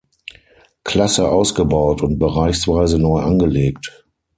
Klasse ausgebaut und bereichsweise neu angelegt.